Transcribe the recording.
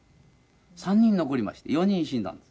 ３人残りまして４人死んだんです。